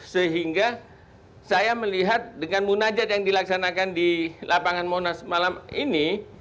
sehingga saya melihat dengan munajat yang dilaksanakan di lapangan monas malam ini